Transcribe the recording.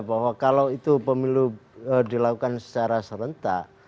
bahwa kalau itu pemilu dilakukan secara serentak